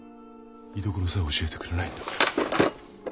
居所さえ教えてくれないんだから。